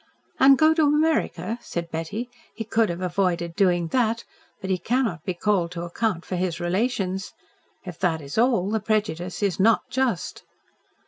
"And go to America," said Betty. "He could have avoided doing that but he cannot be called to account for his relations. If that is all the prejudice is NOT just."